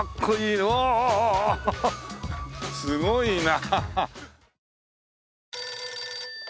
すごいな。